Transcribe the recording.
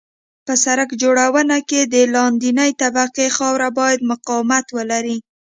په سرک جوړونه کې د لاندنۍ طبقې خاوره باید مقاومت ولري